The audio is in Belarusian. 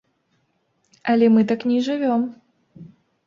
Але мы так не жывём.